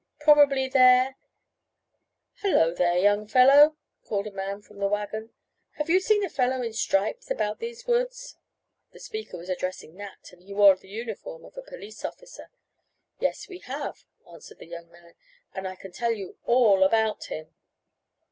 "Probably they're " "Hello there, young fellow!" called a man from the wagon. "Have you seen a fellow in stripes about these woods?" The speaker was addressing Nat, and he wore the uniform of a police officer. "Yes, we have," answered the young man. "And I can tell you all about him."